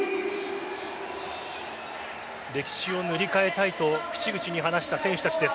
歴史を塗り替えたいと口々に話した選手たちです。